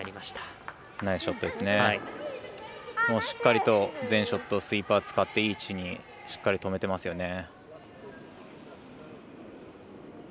しっかりと全ショットスイーパー使っていい位置にしっかり止めていますよね。